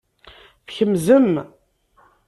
Tkemzem.